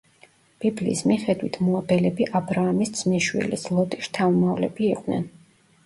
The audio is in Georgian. ბიბლიის მიხედვით მოაბელები აბრაამის ძმისშვილის, ლოტის შთამომავლები იყვნენ.